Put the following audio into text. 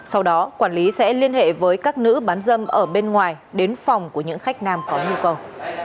sau đó quản lý sẽ liên hệ với các nữ bán dâm ở bên ngoài đến phòng của những khách nam có nhu cầu